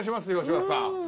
柴田さん。